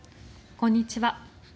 こんにちは。